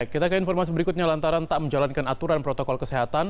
kita ke informasi berikutnya lantaran tak menjalankan aturan protokol kesehatan